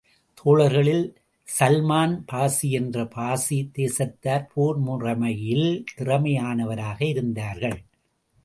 தோழர்களில் Salman பார்ஸி என்ற பார்ஸி தேசத்தார் போர் முறைமையில் திறமையானவராக இருந்தார்கள்.